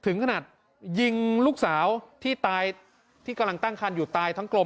ถึงขนาดยิงลูกสาวที่ตายที่กำลังตั้งคันอยู่ตายทั้งกลม